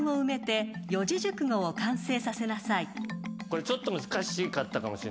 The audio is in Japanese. これちょっと難しかったかもしれない。